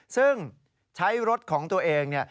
ซึ่งใช้รถของตัวเอง